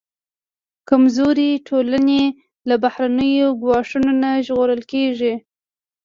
کمزورې ټولنې له بهرنیو ګواښونو نه ژغورل کېږي.